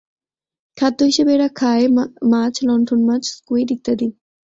খাদ্য হিসেবে এরা খায় মাছ, লণ্ঠন মাছ, স্কুইড ইত্যাদি।